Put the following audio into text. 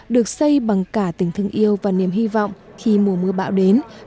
được xây bằng cả tình thương yêu và niềm hy vọng khi mùa mưa bão đến